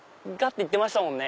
て言ってましたもんね。